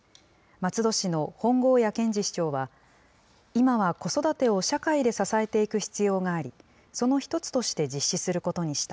松戸市の本郷谷健次市長は、今は子育てを社会で支えていく必要があり、その１つとして実施することにした。